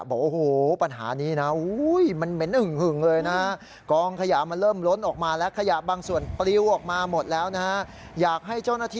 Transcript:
บอกโอ้โหปัญหานี้นะมันเม้นอึ่งเลยนะฮะ